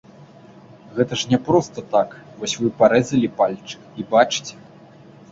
Гэта ж не проста так, вось вы парэзалі пальчык і бачыце.